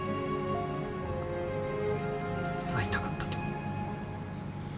会いたかったと思う。